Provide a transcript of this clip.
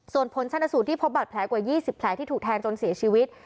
ส่วนผลชนสูตรที่พบบัตรแผลกว่า๒๐แผลที่ถูกแทงจนเสียชีวิต